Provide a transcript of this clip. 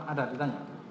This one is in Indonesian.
ada yang ditanya